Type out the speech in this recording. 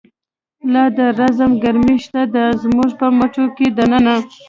لا د رزم گرمی شته ده، زمونږ په مټو کی د ننه